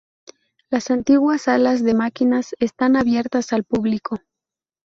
Las antiguas salas de máquinas están abiertas al público.